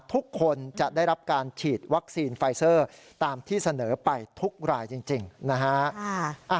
ทุกคนจะได้รับการฉีดวัคซีนไฟเซอร์ตามที่เสนอไปทุกรายจริงนะฮะ